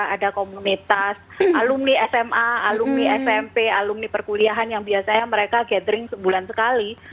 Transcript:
ada komunitas alumni sma alumni smp alumni perkuliahan yang biasanya mereka gathering sebulan sekali